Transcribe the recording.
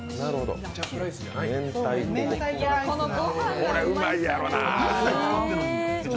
これうまいんやろなぁ。